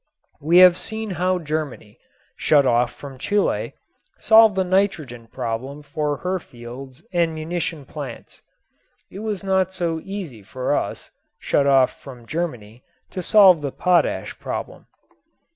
We have seen how Germany shut off from Chile solved the nitrogen problem for her fields and munition plants. It was not so easy for us shut off from Germany to solve the potash problem.